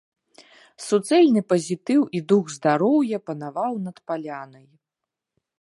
Суцэльны пазітыў і дух здароўя панаваў над палянай.